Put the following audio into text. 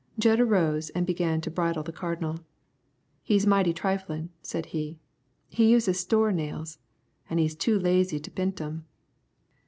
Jud arose and began to bridle the Cardinal. "He's mighty triflin'," said he; "he uses store nails, an' he's too lazy to p'int 'em."